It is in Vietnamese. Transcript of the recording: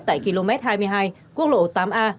tại km hai mươi hai quốc lộ tám a